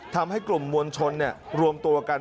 ทำให้กลุ่มมวลชนรวมตัวกัน